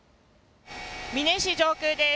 美祢市上空です。